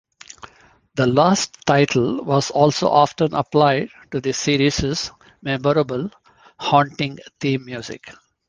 The last title was also often applied to the series' memorable, haunting theme music.